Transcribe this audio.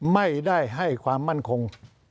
ไม่ได้ให้ความมั่นคง